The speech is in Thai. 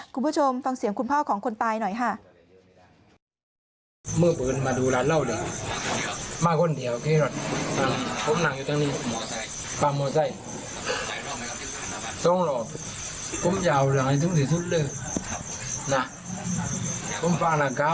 คุณผู้ชมฟังเสียงคุณพ่อของคนตายหน่อยค่ะ